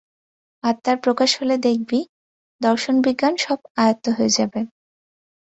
আত্মার প্রকাশ হলে দেখবি, দর্শন বিজ্ঞান সব আয়ত্ত হয়ে যাবে।